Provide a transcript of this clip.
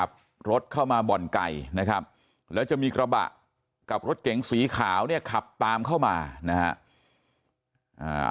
ขับรถเข้ามาบ่อนไก่นะครับแล้วจะมีกระบะกับรถเก๋งสีขาวเนี่ยขับตามเข้ามานะฮะ